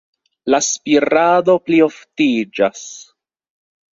La spirado plioftiĝas.